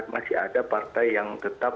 masih ada partai yang tetap